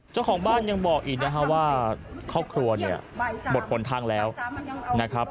เจ้าของบ้านยังบอกอีกนะฮะว่าครอบครัวเนี่ยหมดหนทางแล้วนะครับ